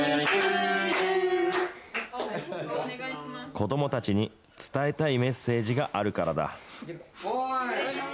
子どもたちに伝えたいメッセージがあるからだ。